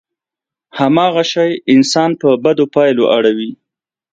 هماغه شی انسان په بدو پايلو اړوي.